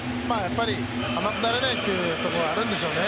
甘くなれないというところがあるんでしょうね。